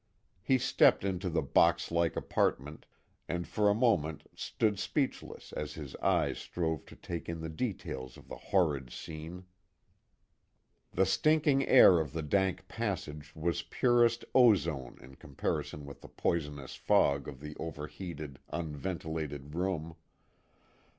He stepped into the box like apartment, and for a moment stood speechless as his eyes strove to take in the details of the horrid scene. The stinking air of the dank passage was purest ozone in comparison with the poisonous fog of the overheated, unventilated room.